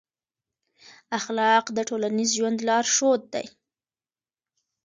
اخلاق د ټولنیز ژوند لارښود دی.